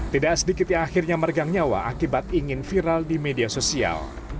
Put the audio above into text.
tidak sedikit yang akhirnya mergang nyawa akibat ingin viral di media sosial